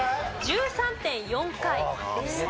１３．４回でした。